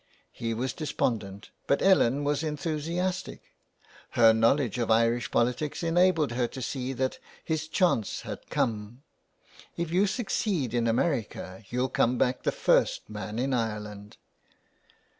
He was despondent, but Ellen was enthusiastic. Her knowledge of Irish politics enabled her to see that his chance had come. " If you succeed in America, you'll come back the first man in Ireland.''